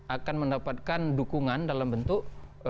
akan mendapatkan dukungan dalam bentuk